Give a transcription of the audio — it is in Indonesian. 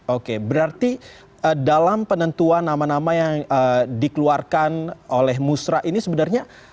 oke berarti dalam penentuan nama nama yang dikeluarkan oleh musra ini sebenarnya